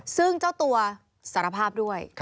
ซึ่งเจ้าตัวสารภาพด้วย